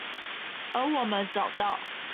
而我們找到